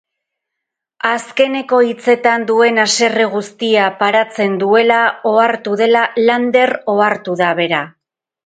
Azkeneko hitzetan duen haserre guztia paratzen duela ohartu dela Lander ohartu da bera.